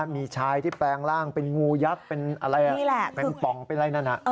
มีชายที่แปลงร่างเป็นงูยักษ์เป็นอะไรแปลงป่องเป็นอะไรนั่น